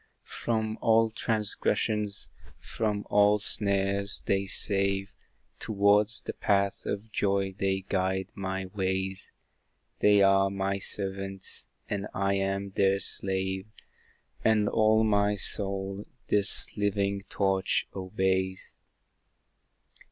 From all transgressions, from all snares, they save, Towards the Path of Joy they guide my ways; They are my servants, and I am their slave; And all my soul, this living torch obeys.